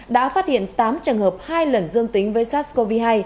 đã phát hiện tám trường hợp hai lần dương tính với sars cov hai